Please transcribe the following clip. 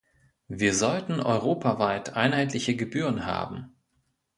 Wir sollten europaweit einheitliche Gebühren haben.